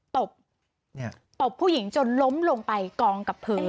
ตบผู้หญิงจนล้มลงไปกองกับพื้น